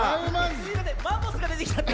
すいませんマンモスがでてきちゃった。